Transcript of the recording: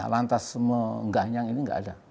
lantas mengganyang ini nggak ada